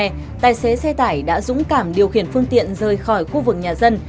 tại lúc này tài xế xe tải đã dũng cảm điều khiển phương tiện rời khỏi khu vực nhà dân